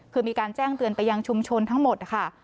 คือมีการแจ้งเตือนไปยังชุมชนทั้งหมดนะคะ